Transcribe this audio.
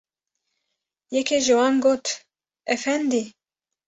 Yekê ji wan got: Efendî!